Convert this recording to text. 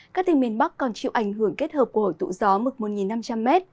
các tỉnh miền bắc còn chịu ảnh hưởng kết hợp của hội tụ gió mực một năm trăm linh m